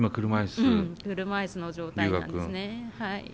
車椅子の状態なんですね。